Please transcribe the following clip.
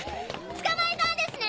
捕まえたんですね！？